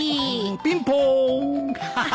ピンポーン！